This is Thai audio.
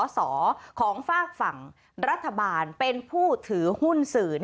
สอของฝากฝั่งรัฐบาลเป็นผู้ถือหุ้นสื่อ